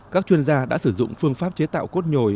các chuyên gia đã sử dụng phương pháp chế tạo cốt nhồi